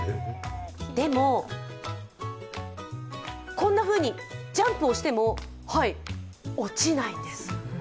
でも、こんなふうにジャンプをしても落ちないんです。